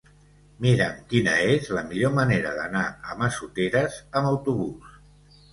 Mira'm quina és la millor manera d'anar a Massoteres amb autobús.